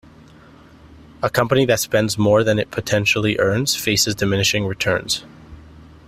A company that spends more than it potentially earns faces diminishing returns.